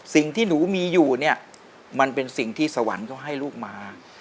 สิ่งที่หนูมีอยู่เนี่ยมันเป็นสิ่งที่สวรรค์เขาให้ลูกมา